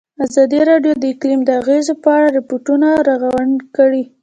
ازادي راډیو د اقلیم د اغېزو په اړه ریپوټونه راغونډ کړي.